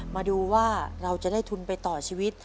มาดูว่าเราจะได้ทุนไปต่อชีวิต